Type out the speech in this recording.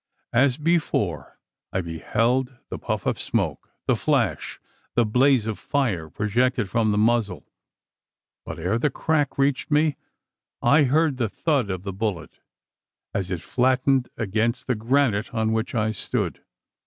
As before, I beheld the puff of smoke, the flash, the blaze of fire projected from the muzzle: but ere the crack reached me, I heard the "thud" of the bullet, as it flattened against the granite on which I stood.